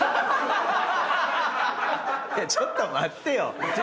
ちょっと待ってよ！